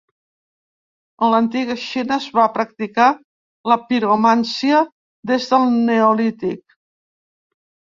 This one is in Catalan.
En l'antiga Xina es va practicar la piromància des del neolític.